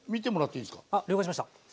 了解しました。